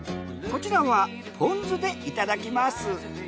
こちらはポン酢でいただきます。